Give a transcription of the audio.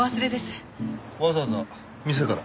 わざわざ店から？